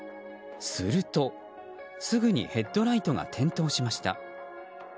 すると、すぐにヘッドライトが点灯しました。